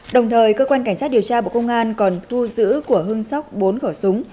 đồng thời cơ quan cảnh sát điều tra bộ công an còn thu giữ của hưng sóc bốn khẩu súng